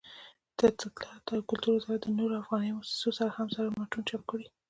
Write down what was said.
دطلاعاتو او کلتور وزارت د نورو افغاني مؤسسو سره هم زاړه متون چاپ کړي.